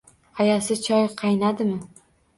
Ayasi, choy qaynadimi